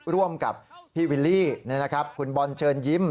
ร่วมกับพี่วิลลี่คุณบอลเชิญยิ้ม